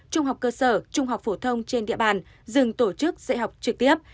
trung học cơ sở trung học phổ thông trên địa bàn dừng tổ chức dạy học trực tiếp